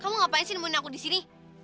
kamu ngapain sih nemuin aku di sini